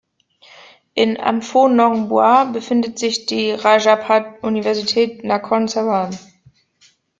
In Amphoe Nong Bua befindet sich die Rajabhat-Universität Nakhon Sawan.